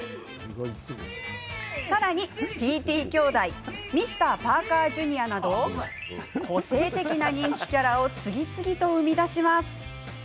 さらに、ＴＴ兄弟Ｍｒ．パーカーＪｒ．など個性的な人気キャラを次々と生み出します。